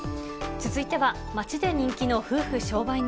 続いては街で人気の夫婦商売人。